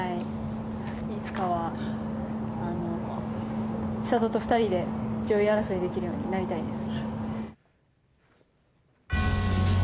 いつかは千怜と２人で上位争いできるようになりたいです。